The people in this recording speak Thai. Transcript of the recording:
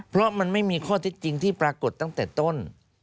เพราะมันไม่มีข้อเท็จจริงที่ปรากฏตั้งแต่ต้น